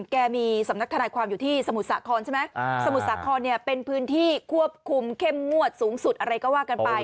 แกมีสำนักทนายความอยู่ที่สมุทรสาครใช่ไหมสมุทรสาครเนี่ยเป็นพื้นที่ควบคุมเข้มงวดสูงสุดอะไรก็ว่ากันไป